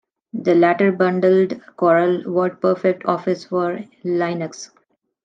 The latter bundled Corel WordPerfect Office for Linux.